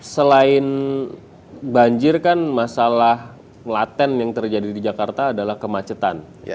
selain banjir kan masalah melaten yang terjadi di jakarta adalah kemacetan